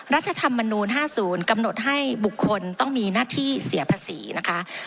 รัฐธรรมบรรณูญห้าศูนย์กำหนดให้บุคคลต้องมีหน้าที่เสียภาษีนะคะ